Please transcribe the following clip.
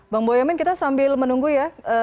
bang boyamin kita sambil menunggu ya